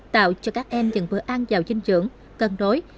tạo cho các em nhận vừa an vào dinh dưỡng cân đối